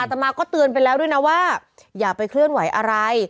ตามมาก็เตือนไปแล้วด้วยนะว่าอย่าไปเคลื่อนไหวอะไร